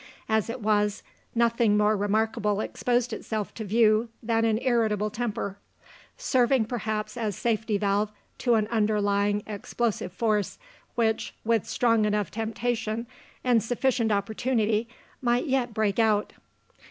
As it was, nothing more remarkable exposed itself to view than an irritable temper; serving perhaps as safety valve to an underlying explosive force, which (with strong enough temptation and sufficient opportunity) might yet break out.